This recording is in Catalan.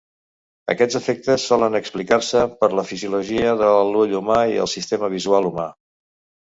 Aquests efectes solen explicar-se per la fisiologia de l'ull humà i el sistema visual humà.